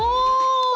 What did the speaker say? お！